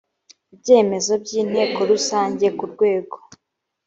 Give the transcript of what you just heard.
ibyemezo by inteko rusange ku rwego